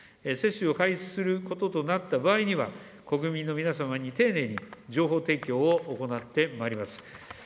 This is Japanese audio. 接種を開始することとなった場合には、国民の皆様に丁寧に情報提供を行ってまいります。